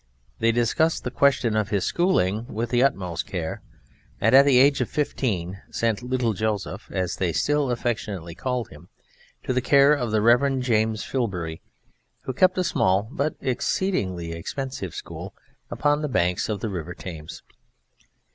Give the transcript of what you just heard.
They discussed the question of his schooling with the utmost care, and at the age of fifteen sent "little Joseph", as they still affectionately called him, to the care of the Rev. James Filbury, who kept a small but exceedingly expensive school upon the banks of the River Thames.